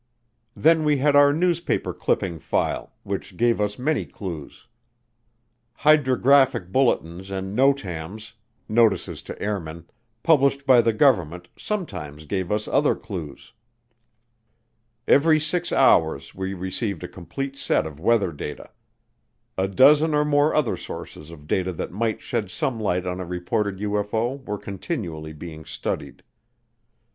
Then we had our newspaper clipping file, which gave us many clues. Hydrographic bulletins and Notams (notices to airmen), published by the government, sometimes gave us other clues. Every six hours we received a complete set of weather data. A dozen or more other sources of data that might shed some light on a reported UFO were continually being studied.